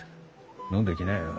飲んできなよ。